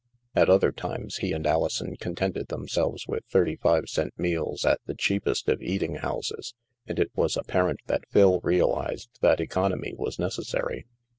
At other times he and Alison contented themselves with thirty five cent meals at the cheap est of eating houses, and it was apparent that Phil realized that economy was necessary.